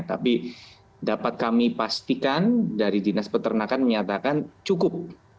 tapi dapat kami pastikan dari dinas peternakan menyatakan cukup